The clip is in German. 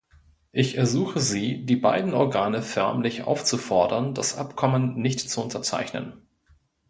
Ich ersuche Sie, die beiden Organe förmlich aufzufordern, das Abkommen nicht zu unterzeichnen.